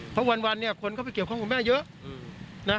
เพราะวันเนี่ยคนเข้าไปเกี่ยวข้องกับแม่เยอะนะ